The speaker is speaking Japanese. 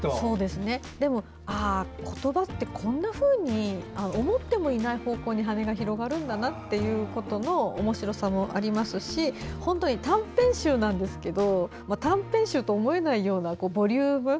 でも、言葉ってこんなふうに思ってもいない方向に羽が広がるんだなということのおもしろさもありますし本当に、短編集なんですが短編集とは思えないようなボリューム。